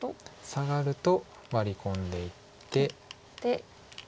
サガるとワリ込んでいって。